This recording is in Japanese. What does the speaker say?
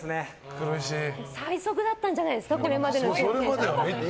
最速だったんじゃないですかこれまでで。